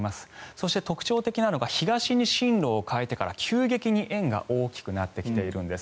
そして特徴的なのが東に進路を変えてから急激に円が大きくなってきているんです。